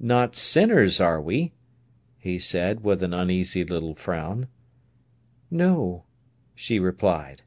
"Not sinners, are we?" he said, with an uneasy little frown. "No," she replied.